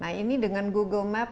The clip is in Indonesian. nah ini dengan google map